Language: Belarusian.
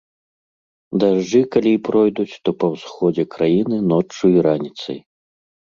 Дажджы калі і пройдуць, то па ўсходзе краіны ноччу і раніцай.